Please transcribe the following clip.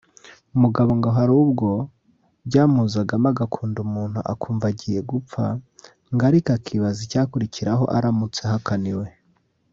Mugabo ngo hari ubwo byamuzagamo agakunda umuntu akumva agiye ‘gupfa’ ngo ariko akibaza icyakurikiraho aramutse ahakaniwe